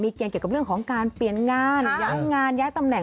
เกณฑ์เกี่ยวกับเรื่องของการเปลี่ยนงานย้ายงานย้ายตำแหน